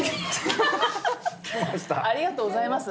ありがとうございます。